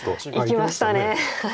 いきましたね。